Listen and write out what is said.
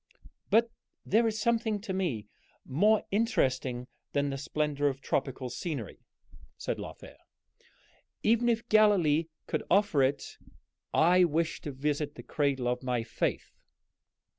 "But there is something to me more interesting than the splendor of tropical scenery," said Lothair, "even if Galilee could offer it. I wish to visit the cradle of my faith."